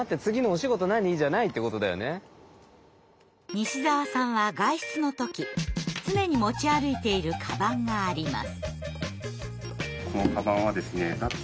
西澤さんは外出の時常に持ち歩いているカバンがあります。